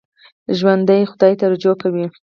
ژوندي خدای ته رجوع کوي